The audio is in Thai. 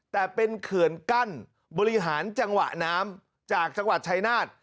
แต่เป็นเขื่อนกั้นบริหารจังหวะน้ำจากจังหวัดชายนาฏ